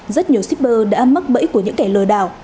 rất nhiều shipper đã mắc bẫy của những kẻ lừa đảo